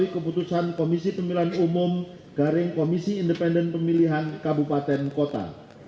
keputusan komisi pemilihan umum garing komisi independen pemilihan kabupaten kota